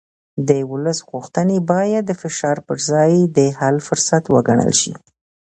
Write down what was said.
د ولس غوښتنې باید د فشار پر ځای د حل فرصت وګڼل شي